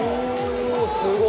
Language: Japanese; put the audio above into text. すごい！